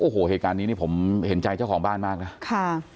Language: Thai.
โอ้โหเหตุการณ์นี้นี่ผมเห็นใจเจ้าของบ้านมากนะค่ะ